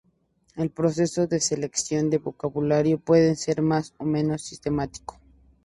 El proceso de selección de vocabulario puede ser más o menos sistemático.